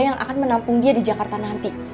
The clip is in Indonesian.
yang akan menampung dia di jakarta nanti